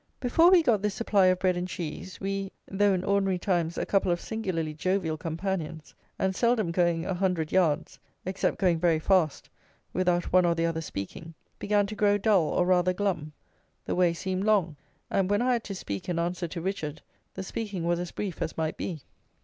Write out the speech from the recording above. Before we got this supply of bread and cheese, we, though in ordinary times a couple of singularly jovial companions, and seldom going a hundred yards (except going very fast) without one or the other speaking, began to grow dull, or rather glum. The way seemed long; and, when I had to speak in answer to Richard, the speaking was as brief as might be.